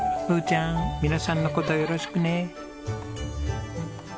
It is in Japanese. ちゃん皆さんの事よろしくね。